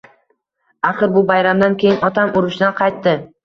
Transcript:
Axir, bu bayramdan keyin otam urushdan qaytdi.